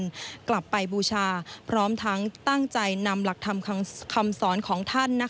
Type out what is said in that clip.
และกลับไปบุชาพร้อมทั้งตั้งใจเล่นคำสอนกับท่าน